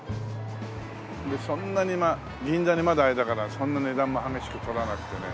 でそんなに銀座にまだあれだからそんな値段も激しく取らなくてね。